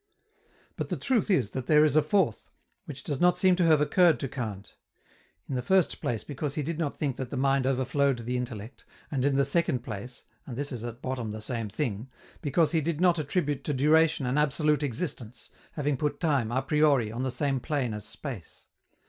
But the truth is that there is a fourth, which does not seem to have occurred to Kant in the first place because he did not think that the mind overflowed the intellect, and in the second place (and this is at bottom the same thing) because he did not attribute to duration an absolute existence, having put time, a priori, on the same plane as space.